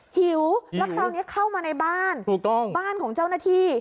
หิวแล้วคราวนี้เข้ามาในบ้านถูกต้องบ้านของเจ้าหน้าที่